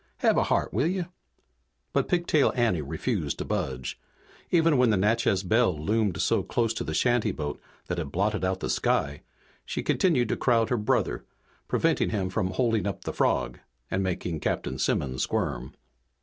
Have a heart, will you?" But Pigtail Anne refused to budge. Even when the Natchez Belle loomed so close to the shantyboat that it blotted out the sky she continued to crowd her brother, preventing him from holding up the frog and making Captain Simmons squirm.